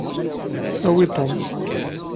Awi Tom.